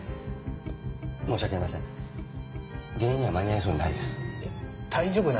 申し訳ありません